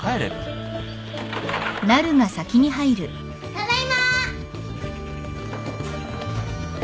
ただいま！